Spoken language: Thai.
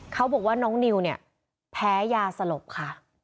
เขาบอกว่าน้องนิวเนี่ยแพ้ยาสลบค่ะ